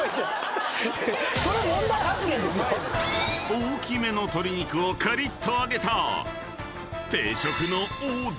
［大きめの鶏肉をカリッと揚げた定食の王道］